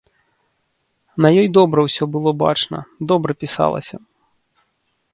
На ёй добра ўсё было бачна, добра пісалася.